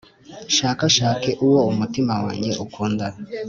nshakashake uwo umutima wanjye ukunda.